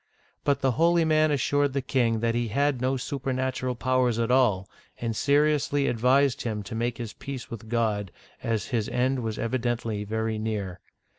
But the holy man assured the king that he had'no super natural powers at all, and seriously advised him to .make his peace with God, as his end was evidently very near.